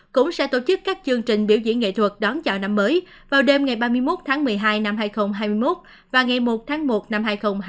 cũng sẽ tổ chức các chương trình biểu diễn nghệ thuật đón chào năm mới vào đêm ngày ba mươi một tháng một mươi hai năm hai nghìn hai mươi một và ngày một tháng một năm hai nghìn hai mươi